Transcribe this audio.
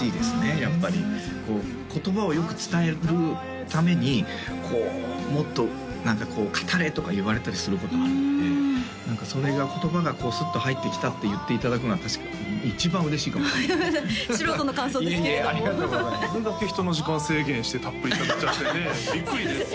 やっぱりこう言葉をよく伝えるためにもっと語れとか言われたりすることあるのでそれが言葉がスッと入ってきたって言っていただくのは確かに一番嬉しいかもしれない素人の感想ですけれどもいえいえありがとうございますあれだけ人の時間制限してたっぷり語っちゃってねビックリですよ